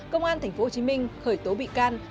công an tp hcm khởi tố bị can